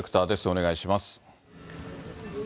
お願いします。